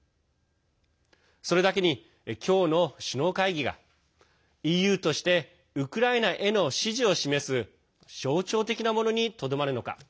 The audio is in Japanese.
それだけに、今日の首脳会議がＥＵとしてウクライナへの支持を示す象徴的なものにとどまるのか。